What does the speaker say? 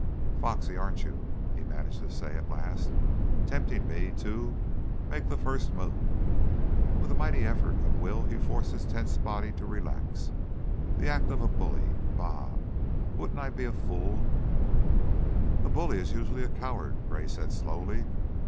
"Foxy, aren't you?" he managed to say, at last. "Tempting me to make the first move." With a mighty effort of will he forced his tense body to relax. "The act of a bully! Bah! Wouldn't I be a fool " "A bully is usually a coward," Gray said, slowly.